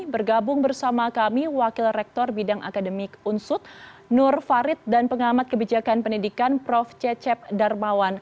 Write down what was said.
bergabung bersama kami wakil rektor bidang akademik unsut nur farid dan pengamat kebijakan pendidikan prof cecep darmawan